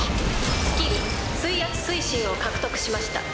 「スキル水圧推進を獲得しました」。